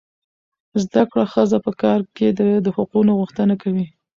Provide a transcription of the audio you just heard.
زده کړه ښځه په کار ځای کې د حقوقو غوښتنه کوي.